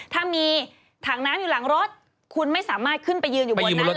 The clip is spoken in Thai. ถ้ามีถังน้ำอยู่หลังรถคุณไม่สามารถขึ้นไปยืนอยู่บนนั้นเลย